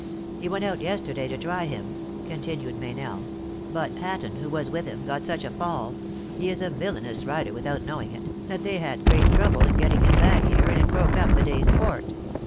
" He went out yesterday to try him," continued Meynell, " but Hatton, who was with him, got such a fall (he is a villainous rider, without knowing it), that they had great trouble in getting him back here, and it broke up the day s sport."